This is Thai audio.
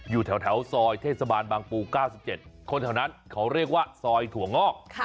อยู่แถวซอยเทศบาลบางปู๙๗คนแถวนั้นเขาเรียกว่าซอยถั่วงอก